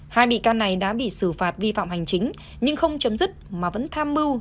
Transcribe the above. hai bị can này đã bị xử phạt vi phạm hành chính nhưng không chấm dứt mà vẫn tham mưu